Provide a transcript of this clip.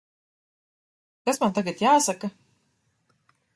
Kas man tagad jāsaka?